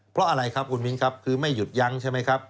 เพราะอะไรครับคุณมิ้นครับคือไม่หยุดยั้งใช่ไหมครับ